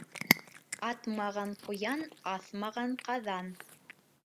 Атмаған ҡуян, аҫмаған ҡаҙан.